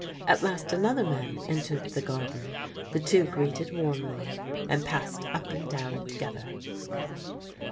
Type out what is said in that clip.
At last another man entered the garden. The two greeted warmly, and passed up and down together.